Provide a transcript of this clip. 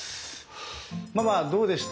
ママどうでした？